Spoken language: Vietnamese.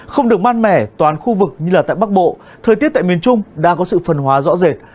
không được mát mẻ toàn khu vực như tại bắc bộ thời tiết tại miền trung đã có sự phân hóa rõ rệt